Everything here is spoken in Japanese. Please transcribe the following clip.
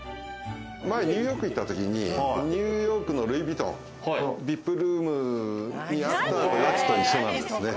ニューヨークに行った時に、ルイ・ヴィトンのＶＩＰルームにあったやつと一緒なんですね。